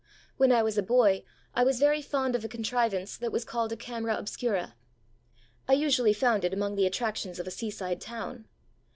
When I was a boy I was very fond of a contrivance that was called a camera obscura. I usually found it among the attractions of a seaside town.